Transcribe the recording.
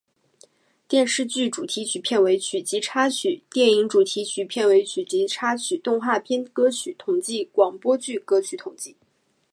电视剧主题曲片尾曲及插曲电影主题曲片尾曲及插曲动画片歌曲统计广播剧歌曲统计